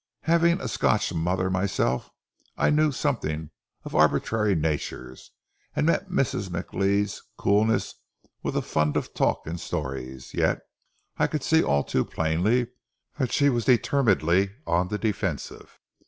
Having a Scotch mother myself, I knew something of arbitrary natures, and met Mrs. McLeod's coolness with a fund of talk and stories; yet I could see all too plainly that she was determinedly on the defensive.